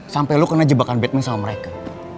sampai lu kena jebakan batman sama mereka